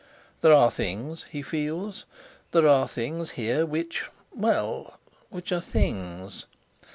There are things, he feels—there are things here which—well, which are things.